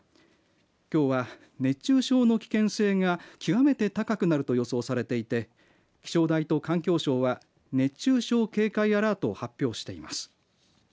きょうは熱中症の危険性が極めて高くなると予想されていて気象台と環境省は熱中症警戒アラートを発表しています。